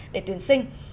để tuyển sinh